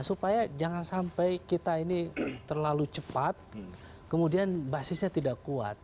supaya jangan sampai kita ini terlalu cepat kemudian basisnya tidak kuat